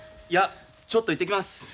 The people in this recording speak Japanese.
いやちょっと行ってきます。